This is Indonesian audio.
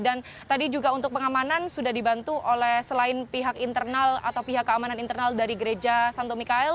dan tadi juga untuk pengamanan sudah dibantu oleh selain pihak internal atau pihak keamanan internal dari gereja santo mikael